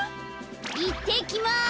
いってきます！